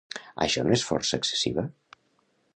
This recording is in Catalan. Això no és força excessiva?